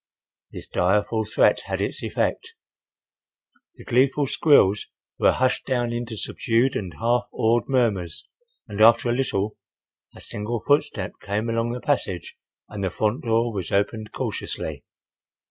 This direful threat had its effect. The gleeful squeals were hushed down into subdued and half awed murmurs and after a little a single footstep came along the passage and the front door was opened cautiously.